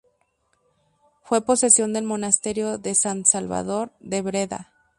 Fue posesión del Monasterio de Sant Salvador de Breda.